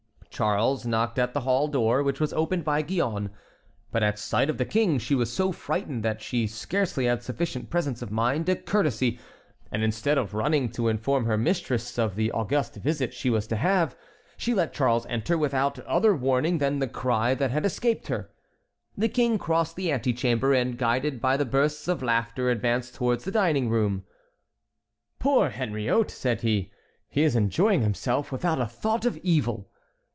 Charles knocked at the hall door, which was opened by Gillonne. But at sight of the King she was so frightened that she scarcely had sufficient presence of mind to courtesy, and instead of running to inform her mistress of the august visit she was to have, she let Charles enter without other warning than the cry that had escaped her. The King crossed the antechamber, and guided by the bursts of laughter advanced towards the dining room. "Poor Henriot!" said he, "he is enjoying himself without a thought of evil."